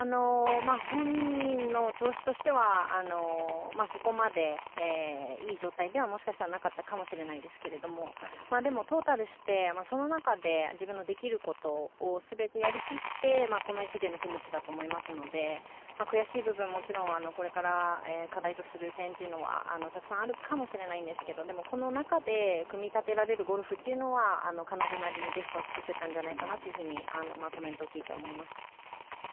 本人の調子としてはそこまでいい状態ではもしかしたらなかったかもしれないですけどでも、トータルしてその中で自分のできることを全てやり切ってこの位置でのフィニッシュだと思いますので悔しい部分はもちろんこれから課題とする点というのはたくさんあるかもしれないんですが、この中で組み立てられるゴルフというのは彼女なりにベストは尽くせたんじゃないかなとコメントを聞いて思いました。